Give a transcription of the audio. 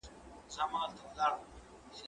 زه له سهاره سبا ته فکر کوم؟!